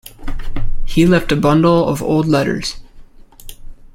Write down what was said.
He left a bundle of old letters.